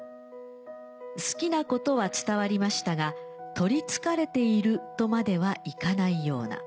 好きなことは伝わりましたが取り憑かれているとまではいかないような。